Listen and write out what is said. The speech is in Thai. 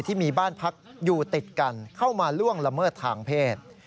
ที่มีบ้านพักอยู่ติดกันเข้ามาล่วงละเมิดทางเพศ